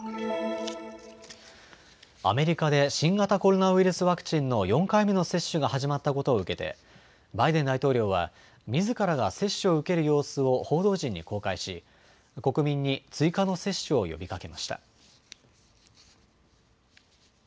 アメリカで新型コロナウイルスワクチンの４回目の接種が始まったことを受けてバイデン大統領は、みずからが接種を受ける様子を報道陣に公開し国民に追加の接種を呼びかけました。